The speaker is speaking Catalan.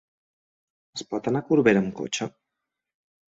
Es pot anar a Corbera amb cotxe?